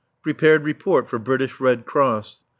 Prepared report for British Red Cross.